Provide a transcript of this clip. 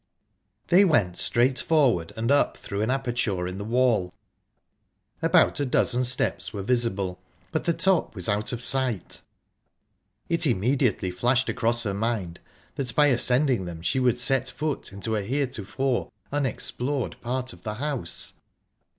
They went straight forward and up through an aperture in the wall. About a dozen steps were visible, but the top was out of sight. It immediately flashed across her mind that by ascending them she would set foot in a heretofore unexplored part of the house.